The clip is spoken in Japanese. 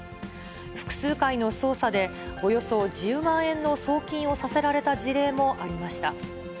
複数回の操作で、およそ１０万円の送金をさせられた事例もありました。